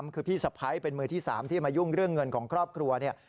คือพี่สะพ้ายเป็นมือที่๓ที่มายุ่งเรื่องเงินของครอบครัวเนี่ย